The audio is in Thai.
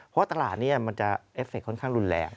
เพราะตลาดนี้มันจะเอฟเคค่อนข้างรุนแรง